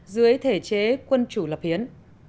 dưới thể chế quân chủ lập hiến